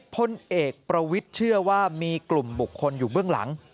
พลเอกประวิทย์เชื่อว่ามีกลุ่มบุคคลอยู่เบื้องหลัง